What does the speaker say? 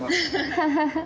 ハハハ。